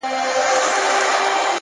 پوهه د ناپوهۍ کړکۍ تړي؛